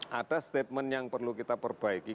ini adalah statement yang perlu kita perbaiki